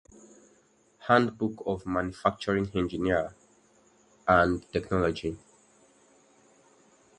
Handbook of Manufacturing Engineering and Technology.